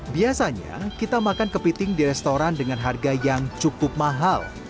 biasanya kita makan kepiting di restoran dengan harga yang cukup mahal